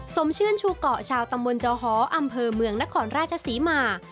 สมชื่นชูเกาะชาวตำบลจอหออำเภอเมืองนครราชศรีมา